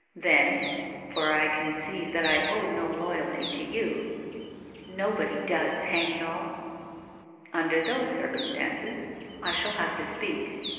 Then — for I conceive that I owe no loyalty to you '* Xobody does, hang it all !"' Under those circumstances, I shall have to speak.